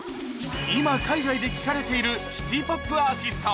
今海外で聴かれているシティポップアーティスト